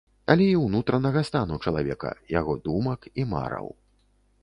Але і ўнутранага стану чалавека, яго думак і мараў.